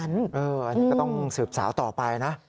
อันนี้ก็ต้องสืบสาวต่อไปนะ